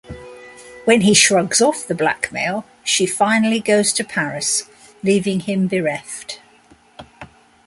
When he shrugs off the blackmail, she finally goes to Paris, leaving him bereft.